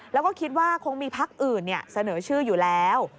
แล้วก็คิดว่าคงมีพักอื่นเสนอชื่ออยู่แล้ว